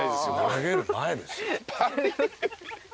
投げる前ですよ。